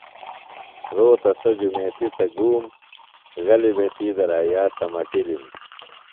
روتہ سوۡ جُمیتیۡ تھےۡ گُوم۔ غلیۡ بھےۡ تی درائِیا سمٹِلِم۔